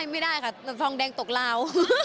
มันทองแดงตกลาว